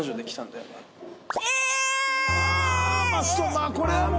まあこれはもう。